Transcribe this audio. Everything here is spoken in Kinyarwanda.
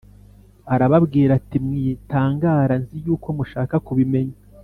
Arababwira ati mwitangara nzi yuko mushaka kubimenya